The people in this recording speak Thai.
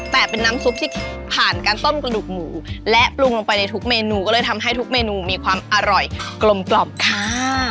แต่เป็นน้ำซุปที่ผ่านการต้มกระดูกหมูและปรุงลงไปในทุกเมนูก็เลยทำให้ทุกเมนูมีความอร่อยกลมกล่อมค่ะ